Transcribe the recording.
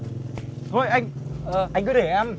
thôi anh anh cứ để em